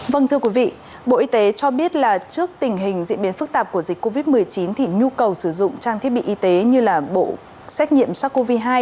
vâng thưa quý vị bộ y tế cho biết là trước tình hình diễn biến phức tạp của dịch covid một mươi chín thì nhu cầu sử dụng trang thiết bị y tế như bộ xét nghiệm sars cov hai